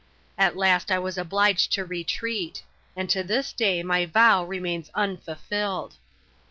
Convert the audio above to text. At last I was obliged to retreat ; and to tliis day my vow remains unfulfilled.